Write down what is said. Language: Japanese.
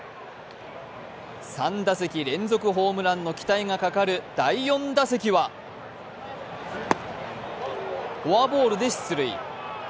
３打席連続ホームランの期待がかかる第４打席は、フォアボールで出塁。